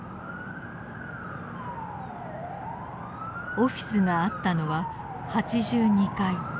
オフィスがあったのは８２階。